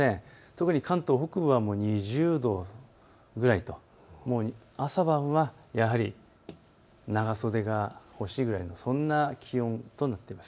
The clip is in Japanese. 特に関東北部は２０度ぐらいと朝晩はやはり長袖が欲しいぐらいのそんな気温となっています。